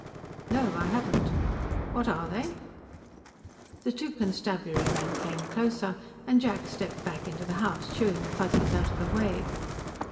"No, I haven't. What are they?" The two Constabulary men came closer, and Jack stepped back into the house, shooing the Fuzzies out of the way.